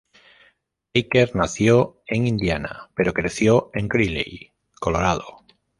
Baker nació en Indiana pero creció en Greeley, Colorado.